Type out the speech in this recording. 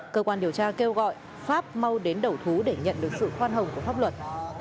cơ quan điều tra kêu gọi pháp mau đến đầu thú để nhận được sự khoan hồng của pháp luật